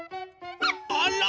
あら！